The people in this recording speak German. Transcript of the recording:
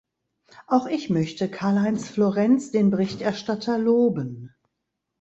Auch ich möchte Karl-Heinz Florenz, den Berichterstatter, loben.